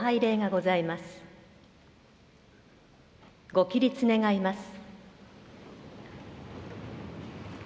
ご起立願います。